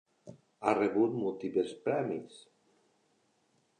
Ha rebut múltiples premis.